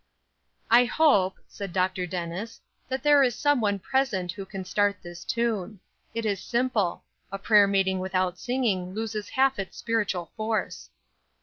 "I hope," said Dr. Dennis, "that there is some one present who can start this tune; it is simple. A prayer meeting without singing loses half its spiritual force."